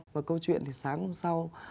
và câu chuyện thì sáng hôm sau